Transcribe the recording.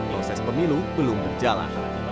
proses pemilu belum berjalan